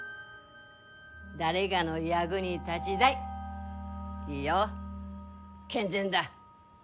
誰がの役に立ぢだいいいよ健全だ。